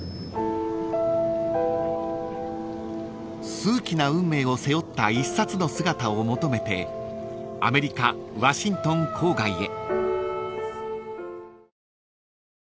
［数奇な運命を背負った一冊の姿を求めてアメリカワシントン郊外へ］